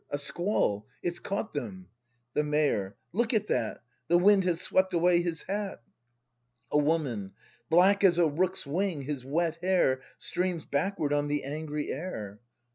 A squall ! It's caught them ! The Mayor. Look at that, — The wind has swept away his hat! A Woman. Black as a rook's wing, his wet hair Streams backward on the angry air.